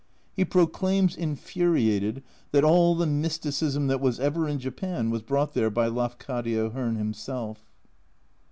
He proclaims, infuriated, that all the mysticism that was ever in Japan was brought there by Lafcadio Hearn himself.